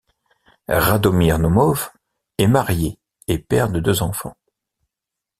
Radomir Naumov est marié et père de deux enfants.